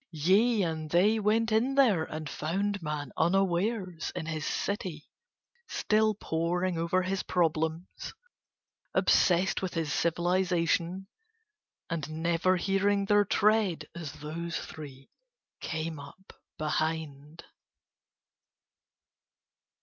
Yea and they went in there and found Man unawares in his city still poring over his Problems, obsessed with his civilization, and never hearing their tread as those three came up behind.